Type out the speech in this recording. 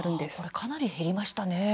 かなり減りましたね。